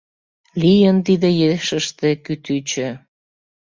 Лийын тиде ешыште кӱтӱчӧ.